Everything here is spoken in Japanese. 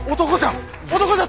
男じゃ！